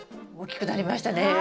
大きくなりましたね。